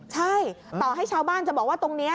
ใช่ต่อให้ชาวบ้านจะบอกว่าตรงนี้